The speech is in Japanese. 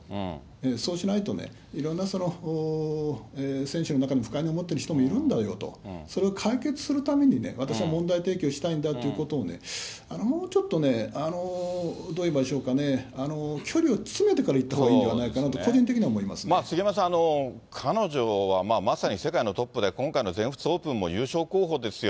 そうしないとね、いろんな選手の中に不快に思ってる人もいるんだよと、それを解決するために私は問題提起をしたいんだということをね、もうちょっと、どう言えばいいでしょうかね、距離を詰めてから言ったほうがいいんではないかなと、個人的には杉山さん、彼女はまさに世界のトップで、今回の全仏オープンも優勝候補ですよ。